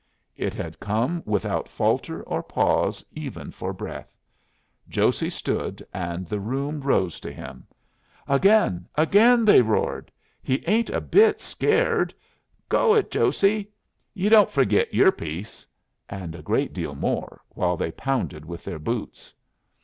It had come without falter or pause, even for breath. Josey stood, and the room rose to him. "Again! again!" they roared. "He ain't a bit scared!" "Go it, Josey!" "You don't forgit yer piece!" And a great deal more, while they pounded with their boots.